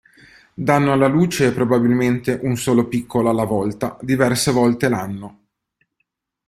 Danno alla luce probabilmente un solo piccolo alla volta diverse volte l'anno.